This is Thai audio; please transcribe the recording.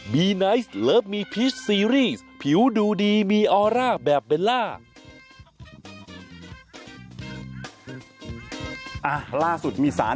มีสังเกตุธรรมประวัติศาสตร์นอกสำราบ